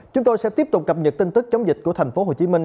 chúng tôi sẽ tiếp tục cập nhật tin tức chống dịch của thành phố hồ chí minh